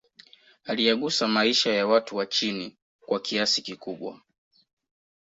Aliyagusa maisha ya watu wa chini kwa kiasi kikubwa